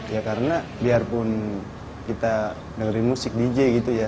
ya karena biarpun kita dengerin musik dj gitu ya